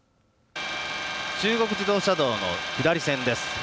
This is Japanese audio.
中国自動車道の下り線です。